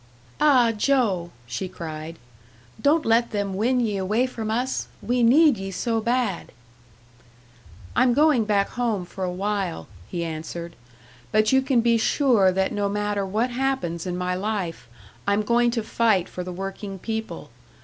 "Ah, Joe!" she cried. "Don't let them win ye away from us! We need ye so bad!" "I'm going back home for a while," he answered, "but you can be sure that no matter what happens in my life, I'm going to fight for the working people.